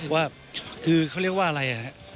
ว่าคือเขาเรียกว่าอะไร